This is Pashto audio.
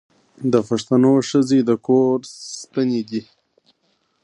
د پښتنو ښځې د کور ستنې دي.